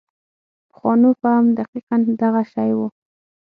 پخوانو فهم دقیقاً دغه شی و.